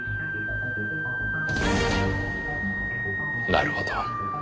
なるほど。